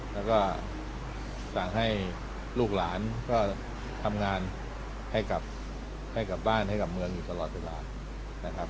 แล้วก็สั่งให้ลูกหลานก็ทำงานให้กลับบ้านให้กับเมืองอยู่ตลอดเวลานะครับ